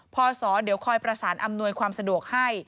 พศเดี๋ยวคอยประสานอำนวยความสะดวกให้